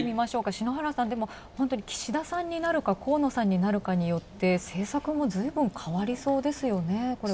篠原さん、岸田さんになるか河野さんになるかによって政策もずいぶん変わりそうですよね。